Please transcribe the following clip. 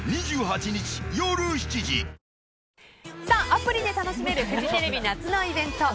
アプリで楽しめるフジテレビ夏のイベント